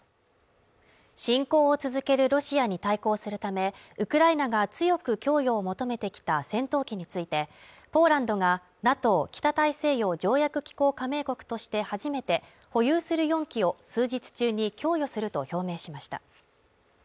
侵攻を続けるロシアに対抗するため、ウクライナが強く供与を求めてきた戦闘機について、ポーランドがＮＡＴＯ＝北大西洋条約機構加盟国として初めて保有する４機を数日中に供与すると表明しました。